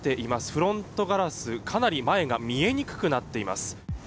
フロントガラス、かなり前が見えにくくなっています。